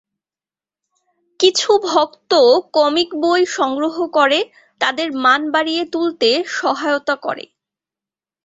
কিছু ভক্ত কমিক বই সংগ্রহ করে, তাদের মান বাড়িয়ে তুলতে সহায়তা করে।